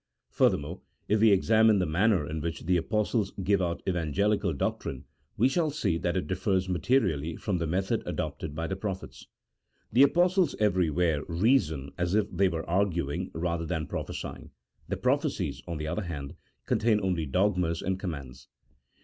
Furthermore, if we examine the manner in which the Apostles give out evangelical doc trine, we shall see that it differs materially from the method adopted by the prophets. The Apostles everywhere reason as if they were arguing rather than prophesying ; the prophecies, on the other hand, contain only dogmas and commands.